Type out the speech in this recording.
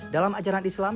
dalam ajaran islam